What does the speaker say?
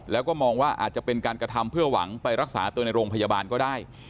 แล้วก็มองว่าอาจจะเป็นการกระทำเพื่อหวังไปรักษาตัวในโรงพยาบาลก็ได้